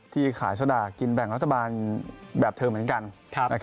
ที่ขายสลากกินแบ่งรัฐบาลแบบเธอเหมือนกัน